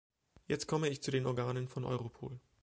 Jetzt komme ich zu den Organen von Europol.